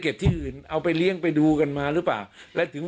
ที่อื่นเอาไปเลี้ยงไปดูกันมาหรือเปล่าแล้วถึง